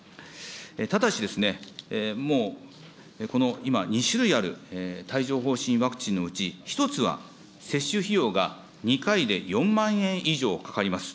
ただしですね、もうこの今、２種類ある帯状ほう疹ワクチンのうち、１つは接種費用が２回で４万円以上かかります。